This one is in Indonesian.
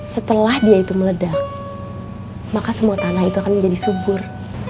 setelah dia itu meledak maka semua tanah itu akan menjadi subur